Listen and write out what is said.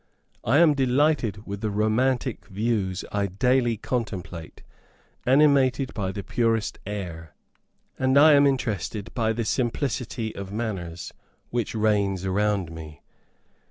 I am delighted with the romantic views I daily contemplate, animated by the purest air; and I am interested by the simplicity of manners which reigns around me.